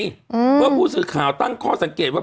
เมื่อผู้สื่อข่าวตั้งข้อสังเกตว่า